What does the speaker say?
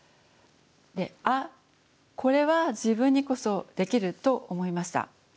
であっこれは自分にこそできると思いました。